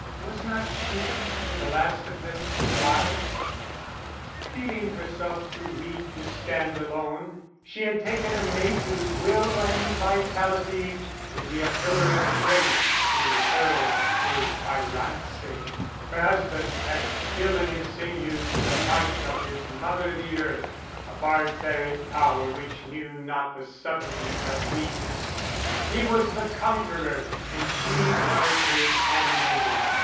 Was not she, the last of them, wise? Feeling herself too weak to stand alone, she had taken a mate whose will and vitality would be a pillar of strength to her defaillance: her husband had still in his sinews the might of his mother, the Earth, a barbaric power which knew not the subtleties of weakness; he was the conqueror, and she was his handmaiden.